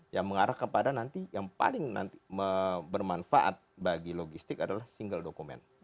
yang mengarah kepada nanti yang paling nanti bermanfaat bagi logistik adalah single dokumen